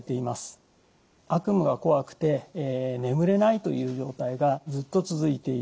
悪夢がこわくて眠れないという状態がずっと続いている。